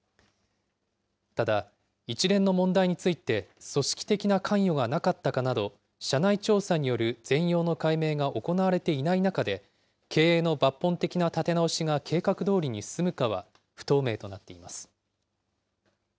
ただ、一連の問題について、組織的な関与がなかったかなど、社内調査による全容の解明が行われていない中で、経営の抜本的な立て直しが計画どおりに進むかは不透明となっています。